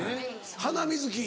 『ハナミズキ』。